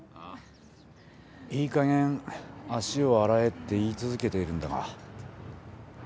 いいかげん足を洗えって言い続けているんだが。